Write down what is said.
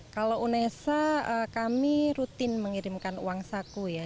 kalau unesa kami rutin mengirimkan uang saku ya